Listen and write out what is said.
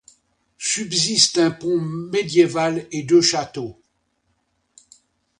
Subsistent un pont médiéval et deux châteaux.